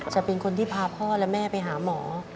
จะเป็นคนที่พาพ่อและแม่ไปหาหมอ